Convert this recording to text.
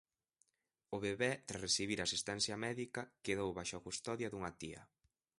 O bebé, tras recibir asistencia médica, quedou baixo a custodia dunha tía.